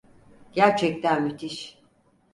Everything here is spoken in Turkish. Gerçekten müthiş.